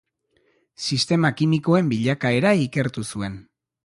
Sistema kimikoen bilakaera ikertu zuen.